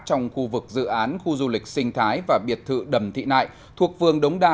trong khu vực dự án khu du lịch sinh thái và biệt thự đầm thị nại thuộc vương đống đa